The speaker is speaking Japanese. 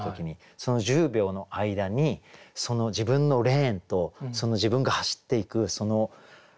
その１０秒の間に自分のレーンと自分が走っていくその何て言ったら。